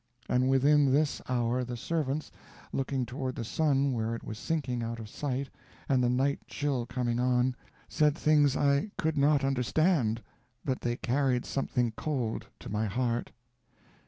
And within this hour the servants, looking toward the sun where it was sinking out of sight and the night chill coming on, said things I could not understand, but they carried something cold to my heart.